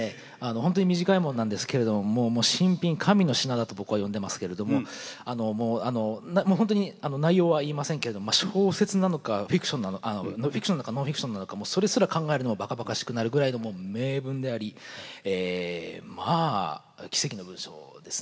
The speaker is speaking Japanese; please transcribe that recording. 本当に短いものなんですけれどももう神品神の品だと僕は呼んでますけれどももう本当に内容は言いませんけれど小説なのかフィクションなのかノンフィクションなのかそれすら考えるのもバカバカしくなるぐらいの名文でありまあ奇跡の文章ですね。